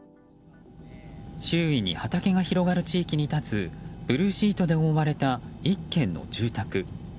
周囲に畑が広がる地域に立つブルーシートで覆われた１軒の住宅。